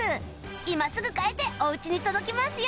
今すぐ買えておうちに届きますよ